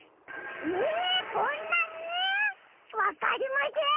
えこんなに！？わかりません！